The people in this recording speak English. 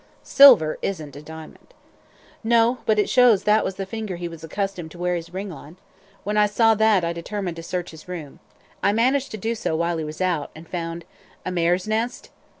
"Silver isn't a diamond." "No; but it shows that was the finger he was accustomed to wear his ring on. When I saw that, I determined to search his room. I managed to do so while he was out, and found " "A mare's nest?"